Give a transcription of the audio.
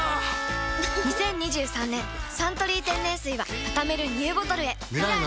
２０２３年「サントリー天然水」はたためるＮＥＷボトルへサントリー！